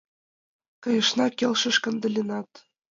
— Кайышна, — келшыш Кандалинат.